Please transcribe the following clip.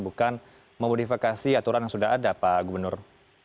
bukan memodifikasi aturan yang sudah ada pak gubernur